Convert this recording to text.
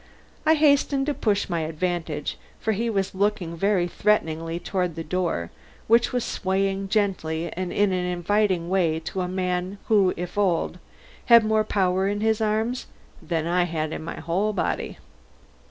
I hastened to push my advantage, for he was looking very threateningly toward the door which was swaying gently and in an inviting way to a man who if old, had more power in his arms than I had in my whole body.